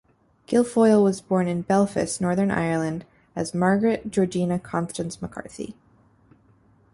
Guilfoyle was born in Belfast, Northern Ireland as Margaret Georgina Constance McCarthy.